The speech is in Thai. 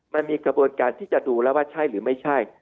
มันมีกระบวนการที่จะดูแล้วว่าใช่หรือไม่ใช่